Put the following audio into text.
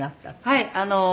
はい。